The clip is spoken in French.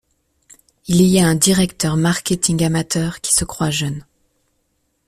il y a un directeur marketing amateur qui se croit jeune. .